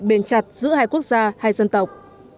bền chặt giữa hai quốc gia hai dân tộc